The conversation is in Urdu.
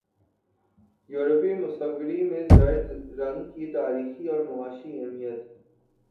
یورپی مصوری میں زرد رنگ کی تاریخی اور معاشی اہمیت